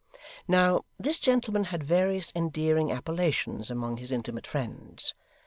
Now, this gentleman had various endearing appellations among his intimate friends.